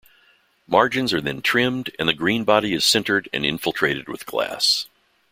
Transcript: Margins are then trimed and the greenbody is sintered and infiltrated with glass.